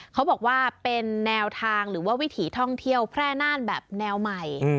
เขาบอกว่าเป็นแนวทางหรือว่าวิถีท่องเที่ยวแพร่น่านแบบแนวใหม่